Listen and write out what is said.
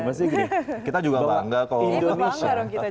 maksudnya gini kita juga bangga kalau indonesia